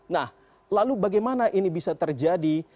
nah lalu bagaimana ini bisa terjadi